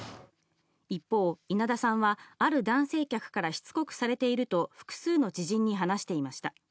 一方、稲田さんはある男性客からしつこくされていると、複数の知人に話していました。